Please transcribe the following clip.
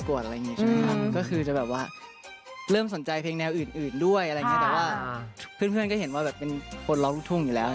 ก็คือจะแบบว่าเริ่มสนใจเพลงแนวอื่นด้วยอะไรอย่างเงี้แต่ว่าเพื่อนก็เห็นว่าแบบเป็นคนร้องลูกทุ่งอยู่แล้ว